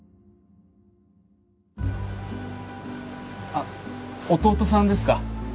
あっ弟さんですか？